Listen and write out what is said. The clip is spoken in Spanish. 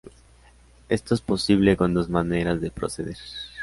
Esto es posible con dos maneras de proceder.